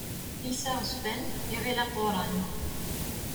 Iles aɣezzfan, iɣil aquran.